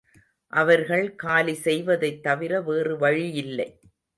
அவர்கள் காலி செய்வதைத்தவிர வேறு வழியில்லை.